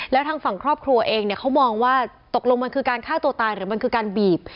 แล้วทางฝั่งครอบครัวเองเนี่ยเขามองว่าตกลงมันคือการฆ่าตัวตายหรือมันคือการบีบ